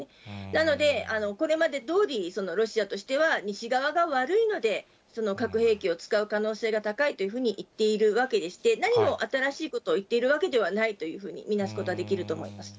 なので、これまでどおり、ロシアとしては西側が悪いので、核兵器を使う可能性が高いと言っているわけでして、何も新しいことを言っているわけではないというふうに、見なすことができると思います。